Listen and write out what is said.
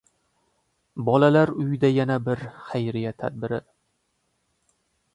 Bolalar uyida yana bir xayriya tadbiri